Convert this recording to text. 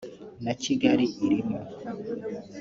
na Kigali irimo